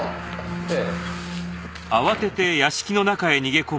ええ。